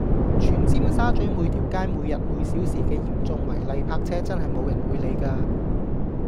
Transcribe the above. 全尖沙咀每條街每日每小時嘅嚴重違例泊車真係冇人會理㗎￼